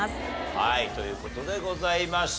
はいという事でございました。